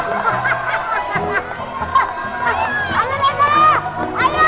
nah anak anak sekarang kita mulai ya wabah makan kerupuknya ya